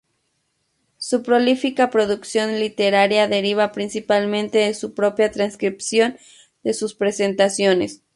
Su prolífica producción literaria deriva principalmente de su propia transcripción de sus presentaciones.